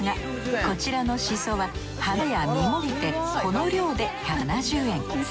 こちらのしそは花や実もついてこの量で１７０円。